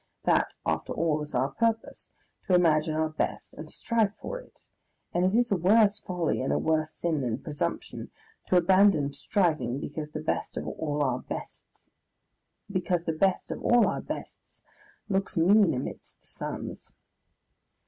That, after all, is our purpose, to imagine our best and strive for it, and it is a worse folly and a worse sin than presumption, to abandon striving because the best of all our bests looks mean amidst the suns.